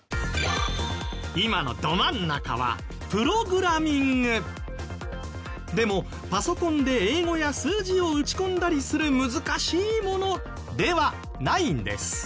今のど真ん中はでもパソコンで英語や数字を打ち込んだりする難しいものではないんです。